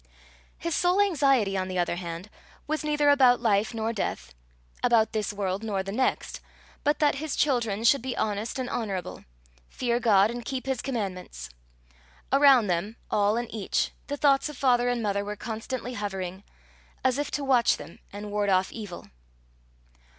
His sole anxiety, on the other hand, was neither about life nor death, about this world nor the next, but that his children should be honest and honourable, fear God and keep his commandments. Around them, all and each, the thoughts of father and mother were constantly hovering as if to watch them, and ward off evil.